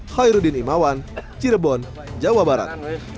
khairuddin imawan cirebon jawa barat